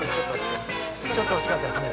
ちょっと惜しかったですね。